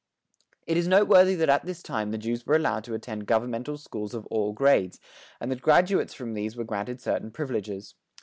It is noteworthy that at this time the Jews were allowed to attend governmental schools of all grades, and that graduates from these were granted certain privileges.